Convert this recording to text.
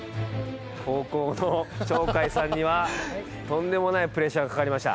後攻の鳥海さんにはとんでもないプレッシャーがかかりました。